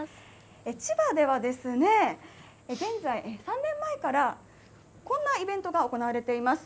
千葉ではですね、現在、３年前からこんなイベントが行われています。